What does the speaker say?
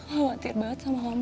khawatir banget sama kamu